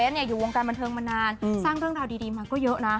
จริงหนุ่มเกรทอยู่วงการบรรเทิงมานานสร้างเรื่องราวดีมาก็เยอะนะ